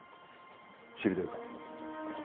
知りたいか？